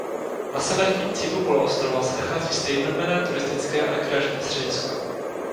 Na severním cípu poloostrova se nachází stejnojmenné turistické a rekreační středisko.